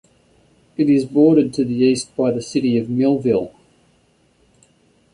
It is bordered to the east by the city of Millville.